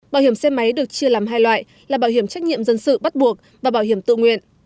bảo hiểm xe máy được chia làm hai loại là bảo hiểm trách nhiệm dân sự bắt buộc và bảo hiểm tự nguyện